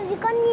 chú cảm ơn nhé